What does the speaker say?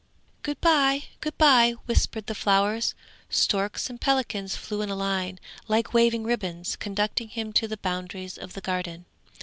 'Good bye! good bye!' whispered the flowers. Storks and pelicans flew in a line like waving ribbons, conducting him to the boundaries of the Garden.